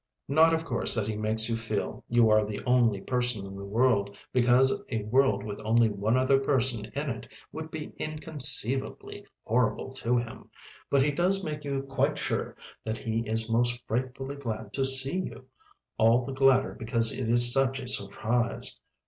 Not, of course, that he makes you feel you are the only person in the world because a world with only one other person in it would be inconceivably horrible to him, but he does make you quite sure that he is most frightfully glad to see you all the gladder because it is such a surprise.